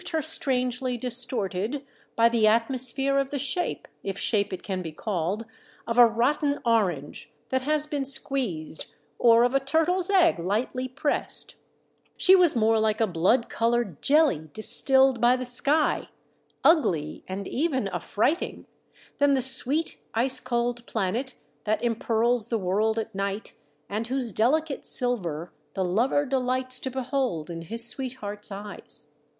her strangely distorted by the atmosphere of the shape — if shape it can be called — of a rotten orange that has been squeezed, or of a turtle's Ggg lightly pressed ; she was more like a blood coloured jelly distilled by the sky, ugly and even affrighting, than the sweet ice cold planet that empearls the world at nigfht, and whose delicate silver the lover delights to behold in his sweetheart's eyes.